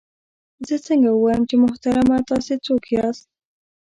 زه څنګه ووایم چې محترمه تاسې څوک یاست؟